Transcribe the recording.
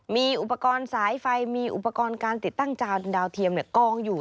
มีอุปกรณ์สายไฟมีอุปกรณ์การติดตั้งจานดาวเทียมกองอยู่